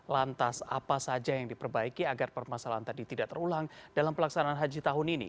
lantas apa saja yang diperbaiki agar permasalahan tadi tidak terulang dalam pelaksanaan haji tahun ini